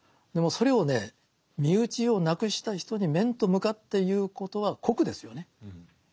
でもそれをね身内を亡くした人に面と向かって言うことは酷ですよね。